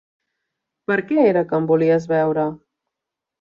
Per què era que em volies veure?